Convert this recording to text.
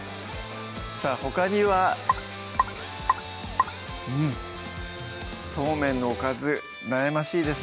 さぁほかにはうんそうめんのおかず悩ましいですね